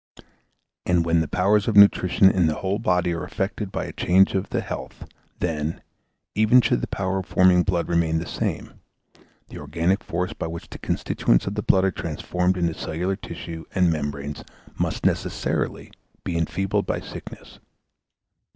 And when the powers of nutrition in the whole body are affected by a change of the health, then, even should the power of forming blood remain the same, the organic force by which the constituents of the blood are transformed into cellular tissue and membranes must necessarily be enfeebled by sickness.